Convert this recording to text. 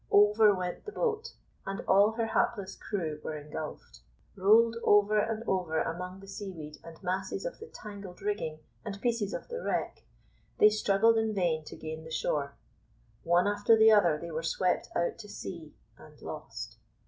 Over went the boat, and all her hapless crew were engulfed. Rolled over and over among the seaweed and masses of the tangled rigging and pieces of the wreck, they struggled in vain to gain the shore. One after the other they were swept out to sea and lost.